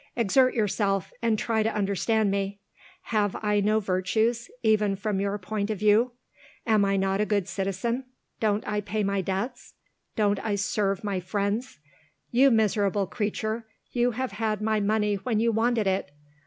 Exert yourself, and try to understand me. Have I no virtues, even from your point of view? Am I not a good citizen? Don't I pay my debts? Don't I serve my friends? You miserable creature, you have had my money when you wanted it!